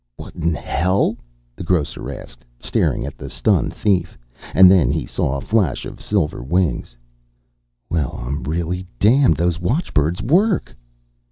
"What in hell?" the grocer asked, staring at the stunned thief. And then he saw a flash of silver wings. "Well, I'm really damned. Those watchbirds work!"